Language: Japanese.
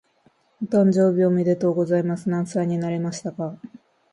お誕生日おめでとうございます。何歳になりましたか？